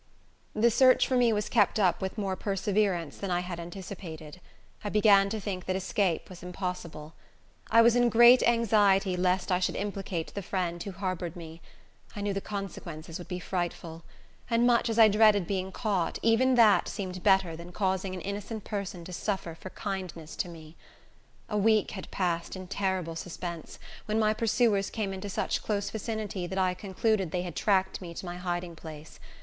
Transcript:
The search for me was kept up with more perseverance than I had anticipated. I began to think that escape was impossible. I was in great anxiety lest I should implicate the friend who harbored me. I knew the consequences would be frightful; and much as I dreaded being caught, even that seemed better than causing an innocent person to suffer for kindness to me. A week had passed in terrible suspense, when my pursuers came into such close vicinity that I concluded they had tracked me to my hiding place.